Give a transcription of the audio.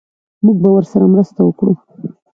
موږ به ورسره مرسته وکړو